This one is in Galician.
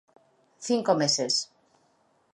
Cinco meses.